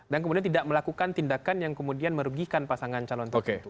dan kemudian tidak melakukan tindakan yang kemudian merugikan pasangan calon tersebut